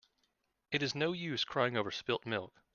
It is no use crying over spilt milk.